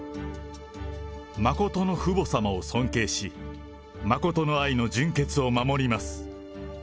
真の父母様を尊敬し、真の愛の純潔を守ります。